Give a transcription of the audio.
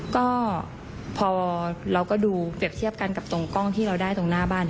ก็พอเราก็ดูเปรียบเทียบกันกับตรงกล้องที่เราได้ตรงหน้าบ้าน